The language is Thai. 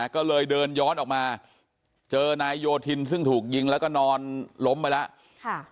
ก็เลยเดินย้อนออกมาเจอนายโยธินซึ่งถูกยิงแล้วก็นอนล้มไปแล้ว